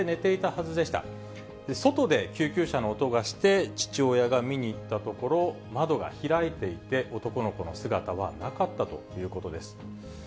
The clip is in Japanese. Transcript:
外で救急車の音がして、父親が見に行ったところ、窓が開いていて、男の子の姿はなかったということです。